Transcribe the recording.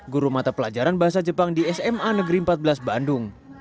guru mata pelajaran bahasa jepang di sma negeri empat belas bandung